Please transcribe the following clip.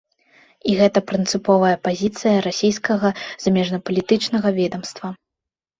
І гэта прынцыповая пазіцыя расійскага замежнапалітычнага ведамства.